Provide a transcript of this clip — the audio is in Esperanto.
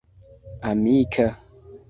Amika.